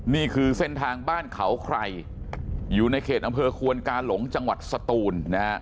นี่คือเส้นทางบ้านเขาใครอยู่ในเขตอำเภอควนกาหลงจังหวัดสตูนนะฮะ